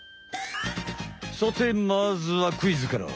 さてまずはクイズから。